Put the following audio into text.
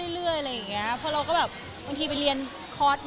อเรนนี่เติม